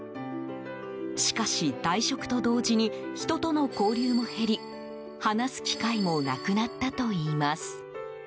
しかし、退職と同時に人との交流も減り話す機会もなくなったといいます。